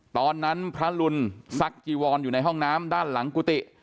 ตอนนั้นพระลุนซักจีวรอยู่ในห้องน้ำด้านหลังกุฏิ